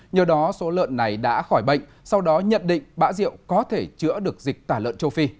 nhờ đó số lợn này đã khỏi bệnh sau đó nhận định bã rượu có thể chữa được dịch tả lợn châu phi